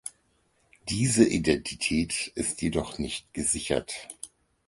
Diese Identität ist jedoch nicht gesichert.